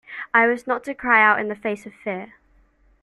I was not to cry out in the face of fear.